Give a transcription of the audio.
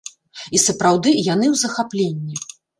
І, сапраўды, яны ў захапленні.